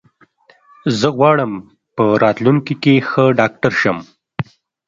زه غواړم په راتلونکې کې ښه ډاکټر شم.